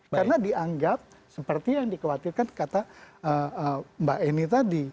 karena dianggap seperti yang dikhawatirkan kata mbak eni tadi